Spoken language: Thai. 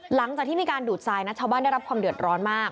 หลังจากที่มีการดูดทรายนะชาวบ้านได้รับความเดือดร้อนมาก